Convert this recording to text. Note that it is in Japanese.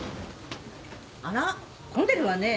あら混んでるわね。